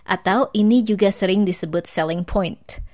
atau ini juga sering disebut selling point